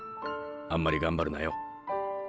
あんまり頑張るなよ。